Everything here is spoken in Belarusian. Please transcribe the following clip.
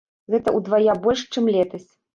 Гэта ўдвая больш, чым летась.